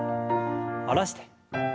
下ろして。